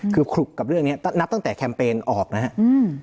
คือคลุกกับเรื่องนี้นับตั้งแต่แคมเปญออกนะครับ